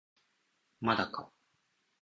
まだか